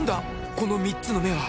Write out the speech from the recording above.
この３つの目は？